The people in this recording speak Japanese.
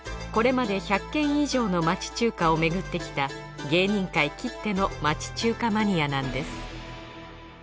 これまで１００軒以上の町中華をめぐってきた芸人界きっての町中華マニアなんです。